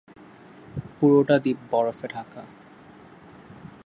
পুরোটা দ্বীপ বরফে ঢাকা।